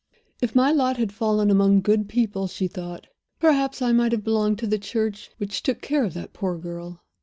"If my lot had fallen among good people," she thought, "perhaps I might have belonged to the Church which took care of that poor girl."